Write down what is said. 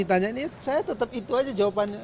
saya tetap itu saja jawabannya